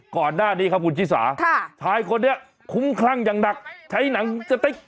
ก่อนหน้านี้ครับคุณชิสาชายคนนี้คุ้มคลั่งอย่างหนักใช้หนังสติ๊ก